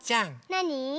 なに？